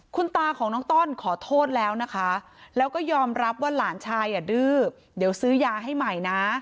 คุณตาของน้องต้อนขอโทษแล้วนะคะแล้วก็ยอมรับว่าหลานชายอ่ะดื้อเดี๋ยวซื้อยาให้ใหม่นะ